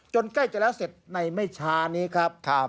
ใกล้จะแล้วเสร็จในไม่ช้านี้ครับ